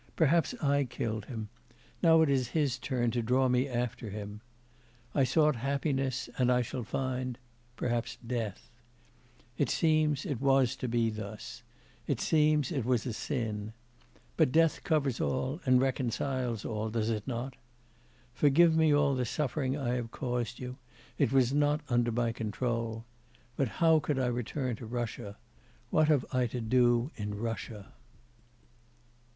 perhaps I killed him; now it is his turn to draw me after him. I sought happiness, and I shall find perhaps death. It seems it was to be thus: it seems it was a sin.... But death covers all and reconciles all; does it not? Forgive me all the suffering I have caused you; it was not under my control. But how could I return to Russia; What have I to do in Russia?